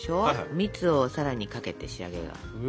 蜜をさらにかけて仕上げよう。